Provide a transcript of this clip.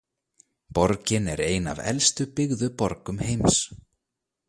Borgin er ein af elstu byggðu borgum heims.